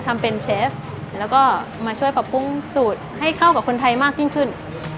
ทำเป็นเชฟแล้วก็มาช่วยปรับปรุงสูตรให้เข้ากับคนไทยมากยิ่งขึ้น